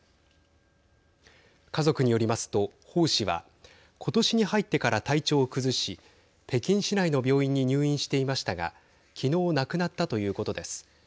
家族によりますと、鮑氏は今年に入ってから体調を崩し北京市内の病院に入院していましたが昨日亡くなったということです。